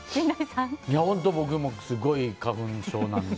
本当、僕もすごい花粉症なので。